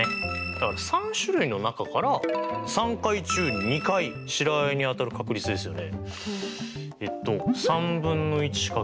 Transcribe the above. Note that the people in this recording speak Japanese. だから３種類の中から３回中２回白あえに当たる確率ですよね。